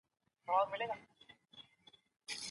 زموږ هېواد د سیمه ییزو بحرانونو د رامنځته کيدو لامل نه دی.